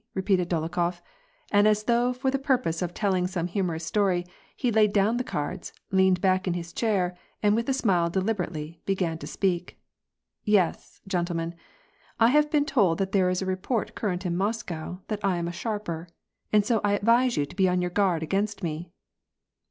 " repeated Dolokhof, and as though for the purpose of telling some humorous story he laid down the cards, leaned back in his chair, and with a smile deliberately began to speak, —" Yes, gentlemen, I have been told that there is a report current in Moscow, that I am a sharper, and so I advise you to. be on your guard against me."